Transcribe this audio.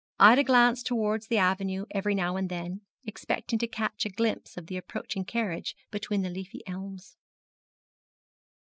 Ida glanced towards the avenue every now and then, expecting to catch a glimpse of the approaching carriage between the leafy elms.